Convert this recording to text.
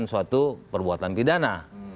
maksudnya kita harus mencari perbuatan pidana